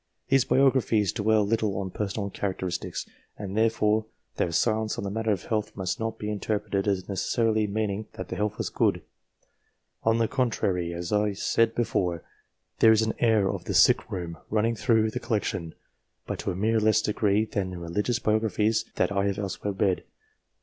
These biographies dwell little on personal characteristics, and therefore their silence on the matter of health must not be interpreted as neces sarily meaning that the health was good. On the contrary, as I said before, there is an air as of the sick room running through the collection, but to a much less degree than in religious biographies that I have elsewhere read.